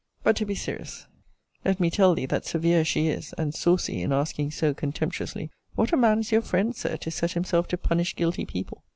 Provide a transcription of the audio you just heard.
But to be serious: let me tell thee, that, severe as she is, and saucy, in asking so contemptuously, 'What a man is your friend, Sir, to set himself to punish guilty people!'